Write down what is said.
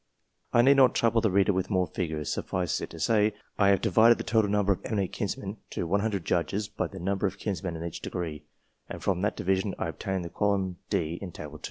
I need not trouble the reader with more figures ; suffice it to say, I have divided the total numbers of eminent kinsmen to 100 judges by the number of kinsmen in each degree, and from that division I obtained the column D in Table II.